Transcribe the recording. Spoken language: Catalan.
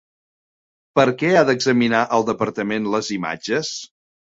Per què ha d'examinar el departament les imatges?